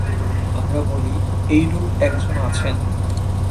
আমরা বলি, এইরূপ একজন আছেন।